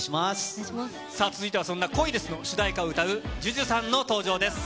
そんな『恋です！』の主題歌を歌うＪＵＪＵさんの登場です。